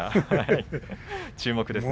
注目ですか？